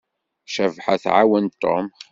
Cabḥa tɛawen Tom.